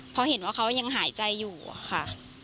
เพราะเห็นว่าเขายังหายใจอยู่อะค่ะ